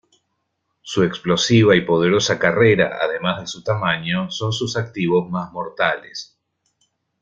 Su explosiva y poderosa carrera, además de su tamaño, son sus activos más mortales.